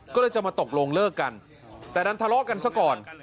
ก็เลยจะมาตกลงเลิกกันแต่ดันทะเลาะกันซะก่อน